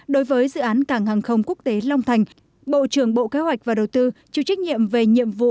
đối với dự án cảng hàng không quốc tế long thành bộ trưởng bộ kế hoạch và đầu tư chịu trách nhiệm về nhiệm vụ